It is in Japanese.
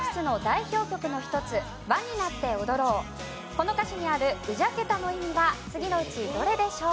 この歌詞にある「うじゃけた」の意味は次のうちどれでしょう？